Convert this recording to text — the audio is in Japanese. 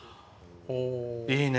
いいね。